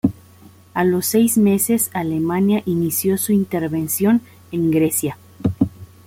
A los seis meses, Alemania inició su intervención en Grecia.